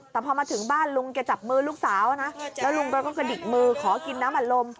แต่พอมาถึงบ้านลุงแกจับมือลูกสาวนะแล้วลุงแกก็กระดิกมือขอกินน้ำอัดลม